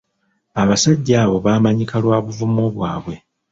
Abasajja abo baamanyika lwa buvumu bwabwe.